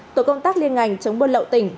tổ công tác liên ngành chống buôn lậu tỉnh